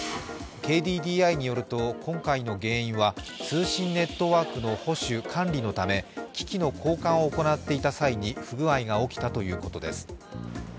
ＫＤＤＩによると、今回の原因は通信ネットワークの保守・管理のため機器の交換を行っていた際に不具合が起きたということです。